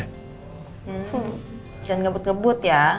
jangan ngemput ngeput ya